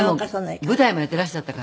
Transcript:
でも舞台もやっていらっしゃったから。